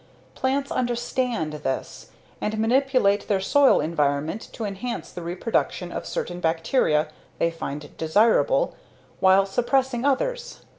Plants "understand" this and manipulate their soil environment to enhance the reproduction of certain bacteria they find desirable while suppressing others.